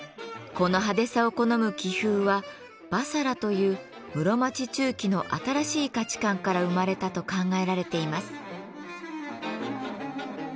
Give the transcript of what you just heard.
この派手さを好む気風は婆娑羅という室町中期の新しい価値観から生まれたと考えられています。